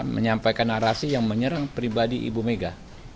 menyampaikan narasi yang menyerang pribadi ibu mega